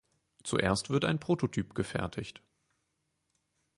Zuerst wird ein Prototyp gefertigt.